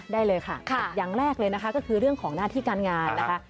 ได้เลยค่ะอย่างแรกเลยนะคะก็คือเรื่องของหน้าที่การงานนะคะ